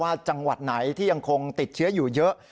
จังหวัดไหนที่ยังคงติดเชื้ออยู่เยอะ